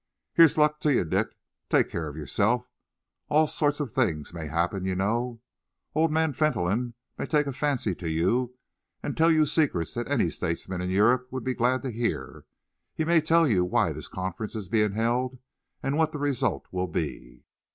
"Here's luck to you, Dick! Take care of yourself. All sorts of things may happen, you know. Old man Fentolin may take a fancy to you and tell you secrets that any statesman in Europe would be glad to hear. He may tell you why this conference is being held and what the result will be.